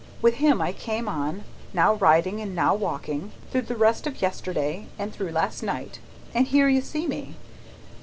With him, I came on, now riding and now walking, through the rest of yesterday and through last night. And here you see me!"